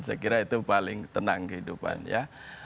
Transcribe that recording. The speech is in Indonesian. saya kira itu paling tenang kehidupan ya